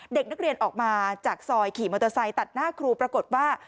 เด็กนักเรียนออกมาจากซอยขี่มอเตอร์ไซค์ตัดหน้าครูปรากฏว่า